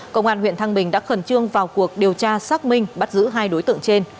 công an huyện thăng bình đã khẩn trương vào cuộc điều tra xác minh bắt giữ hai đối tượng trên